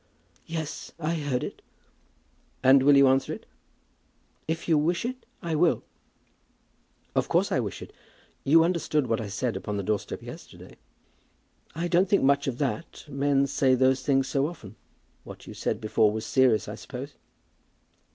"Yes, I heard it." "And will you answer it?" "If you wish it, I will." "Of course I wish it. You understood what I said upon the doorstep yesterday?" "I don't think much of that; men say those things so often. What you said before was serious, I suppose?"